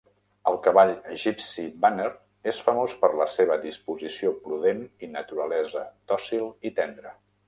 El cavall Gypsy Vanner és famós per la seva disposició prudent i naturalesa dòcil i tendra.